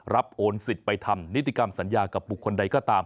โอนสิทธิ์ไปทำนิติกรรมสัญญากับบุคคลใดก็ตาม